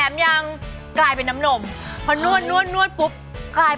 เอาอย่างงี้ป้าพิมพ์ค่ะช่วยทดสอบให้หน่อย